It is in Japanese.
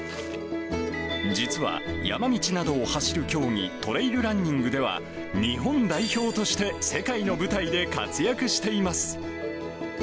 実は山道などを走る競技、トレイルランニングでは、日本代表として世界の舞台で活躍しています。